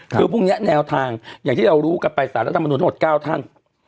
คือพรุ่งนี้แนวทางอย่างที่เรารู้กันไปสารรัฐมนุนทั้งหมด๙ท่าน